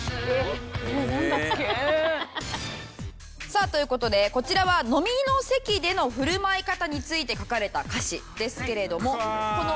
さあという事でこちらは飲みの席での振る舞い方について書かれた歌詞ですけれどもこのハテナに入る歌詞は